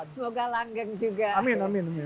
semoga langgang juga amin